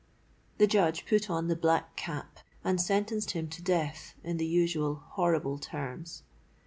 The Judge put on the black cap, and sentenced him to death in the usual horrible terms.